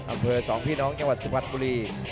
อำเภอสองพี่น้องจังหวัดสุพรรณบุรี